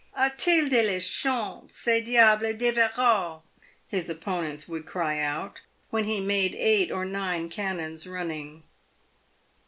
" A t il de la chance ce diable d' Everard" his opponents would cry out when he made eight or nine cannons running.